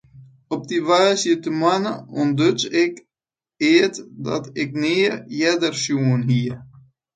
Op dy woansdeitemoarn ûntduts ik eat dat ik nea earder sjoen hie.